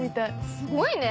すごいね。